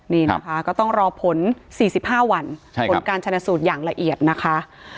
นี่นะคะก็ต้องรอผล๔๕วันผลการชนะสูตรอย่างละเอียดนะคะ